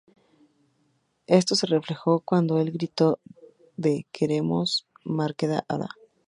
Esto se reflejó cuando el grito de ""¡Queremos Merdeka ahora!